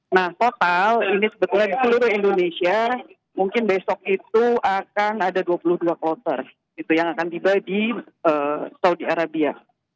nah total ini sebetulnya di seluruh indonesia mungkin besok itu akan ada dua puluh dua kloter yang akan tiba di saudi arabia